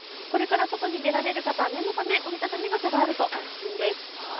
これから外に出られる方、念のため折り畳み傘があると安心です。